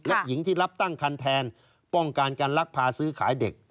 และหญิงที่รับตั้งคันแทนป้องกันการลักพาซื้อขายเด็ก